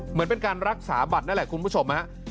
เหมือนเป็นการรักษาบัตรนั่นแหละคุณผู้ชมฮะ